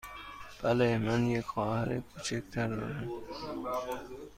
بله، من یک خواهر کوچک تر دارم.